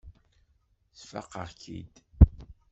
Sfaqeɣ-k-id.